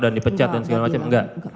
dan di pecat dan segala macam enggak